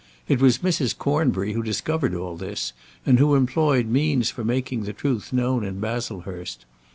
It was Mrs. Cornbury who discovered all this, and who employed means for making the truth known in Baslehurst.